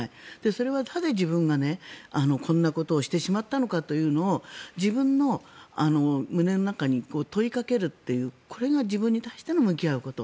それはなぜ自分がこんなことをしてしまったのかということを自分の胸の中に問いかけるというこれが自分に対しての向き合うこと。